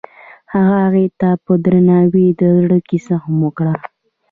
هغه هغې ته په درناوي د زړه کیسه هم وکړه.